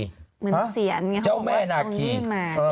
เหมือนเซียนไงเขาบอกว่าตรงนี้มา